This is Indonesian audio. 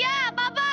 ganti aja dia apa apa